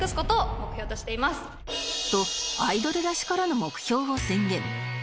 とアイドルらしからぬ目標を宣言